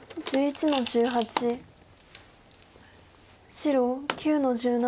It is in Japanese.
白９の十七。